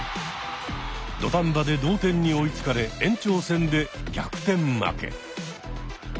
土壇場で同点に追いつかれ延長戦で逆転負け。